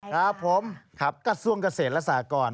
ครับผมครับกระทรวงเกษตรและสากร